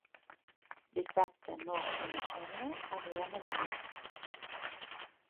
Dissabte n'Hug i na Xènia aniran a Llanars.